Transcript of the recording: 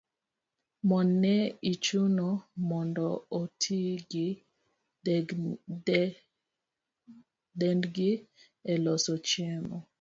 Mon ne ichuno mondo oti gi dendgi e loso chiemo.